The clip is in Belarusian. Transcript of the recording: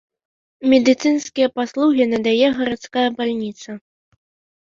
Медыцынскія паслугі надае гарадская бальніца.